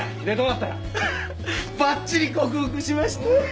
ばっちり克服しました！